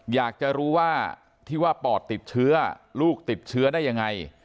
อยากจะรู้ว่าที่ว่าปอดติดเชื้อลูกติดเชื้อได้ยังไง